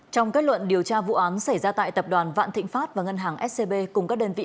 trong kết luận điều tra vụ án xảy ra tại tập đoàn vạn thịnh pháp và ngân hàng scb cùng các đơn vị